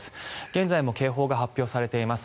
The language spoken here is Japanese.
現在も警報が発表されています。